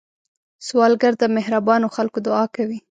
سوالګر د مهربانو خلکو دعا کوي